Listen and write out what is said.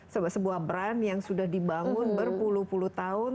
sebuah brand yang sudah dibangun berpuluh puluh tahun